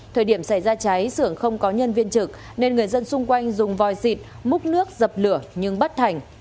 thời điểm xảy ra cháy sưởng không có nhân viên trực nên người dân xung quanh dùng voi dịt múc nước dập lửa nhưng bất thành